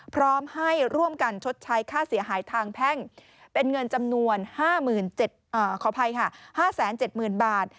พร้อมให้ร่วมกันชดใช้ค่าเสียหายทางแพ่งเป็นเงินจำนวน๕ขออภัยค่ะ๕๗๐๐๐บาท